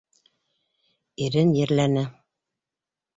Ирен ерләне.